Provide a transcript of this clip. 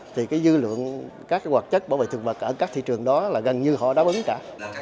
thì cái dư lượng các hoạt chất bảo vệ thực vật ở các thị trường đó là gần như họ đáp ứng cả